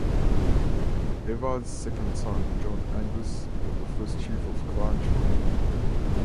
Eva's second son John-Angus, was the first chief of Clan Shaw.